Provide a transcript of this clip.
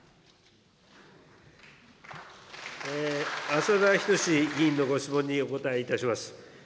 浅田均議員のご質問にお答えいたします。